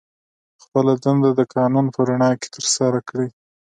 خپله دنده د قانون په رڼا کې ترسره کړي.